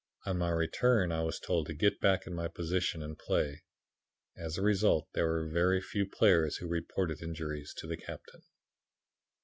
On my return I was told to get back in my position and play. As a result, there were very few players who reported injuries to the captain.